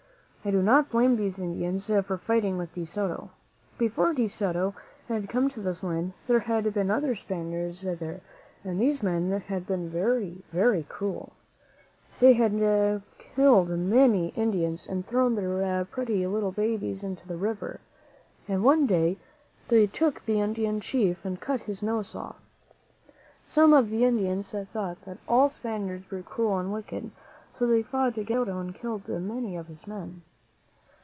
I do not blame these Indians for fighting with De Soto. Before De Soto had come to this land, there had been other Spaniards there, and these men had been very, very cruel. They had killed many Indians and thrown their UflWtiM •>cv^«. v^:!£:a ',«V W mm 86 ^w/ it'>c\ 'Ty^r pretty little babies into the river, and one day they took the Indian chief and cut his nose off. Some of the Indians thought that all Spaniards were cruel and wicked, and so they fought against De Soto and killed many of his men.